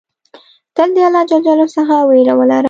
تل د الله ج څخه ویره ولره.